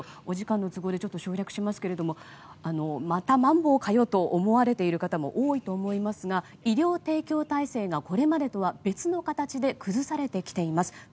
お時間の都合でちょっと省略しますがまたマンボウかよと思われている方も多いかと思いますが医療体制がこれまでとは別の形で崩されてきています。